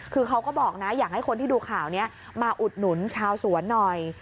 คือเขาก็บอกนะอยากให้คนที่ดูข่าวนี้มาอุดหนุนชาวสวนหน่อย